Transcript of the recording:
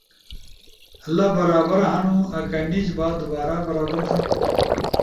لا برابر ہنُو؟ آکہ نیِش با دُوبارا برابر تھا۔